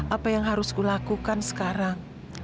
apa yang harus kulakukan sekarang